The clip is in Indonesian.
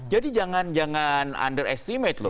jadi jangan jangan underestimate loh